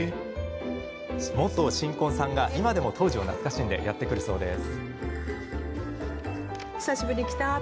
元新婚さんが今でも当時を懐かしんでやって来るそうです。